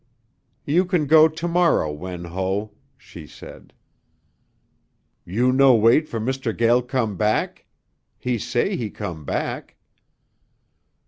"You can go to morrow, Wen Ho," she said. "You no wait for Mr. Gael come back? He say he come back."